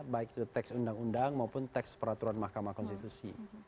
baik itu teks undang undang maupun teks peraturan mahkamah konstitusi